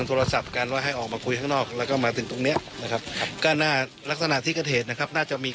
ก็ใช้วุฒิปืนยิงนะครับตรงนี้ฮะตรงนี้